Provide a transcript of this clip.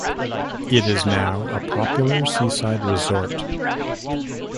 It is now a popular seaside resort.